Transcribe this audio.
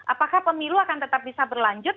apakah pemilu akan tetap bisa berlanjut